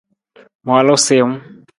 Ma walu siwung.